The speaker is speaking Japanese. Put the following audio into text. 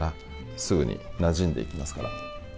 すぐになじんでいきますから。